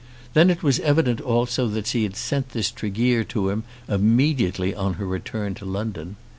Then it was evident also that she had sent this Tregear to him immediately on her return to London.